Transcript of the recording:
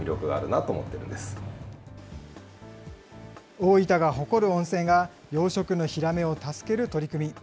大分が誇る温泉が、養殖のヒラメを助ける取り組み。